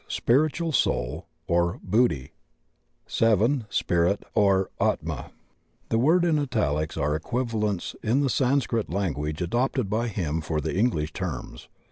Spiritual Soid, or Buddhi, (7.) Spirit, or >4rma. The words in italics are equivalents in the Sanscrit language adopted by him for the En^sh terms.